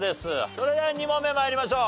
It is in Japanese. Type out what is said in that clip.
それでは２問目参りましょう。